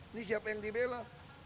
ini siapa yang dibela